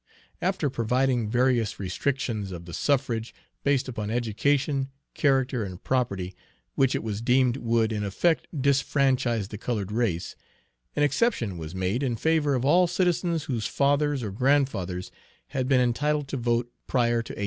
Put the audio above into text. After providing various restrictions of the suffrage, based upon education, character, and property, which it was deemed would in effect disfranchise the colored race, an exception was made in favor of all citizens whose fathers or grandfathers had been entitled to vote prior to 1867.